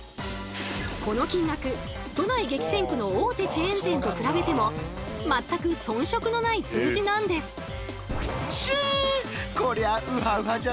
この金額都内激戦区の大手チェーン店と比べても全く遜色のない数字なんです。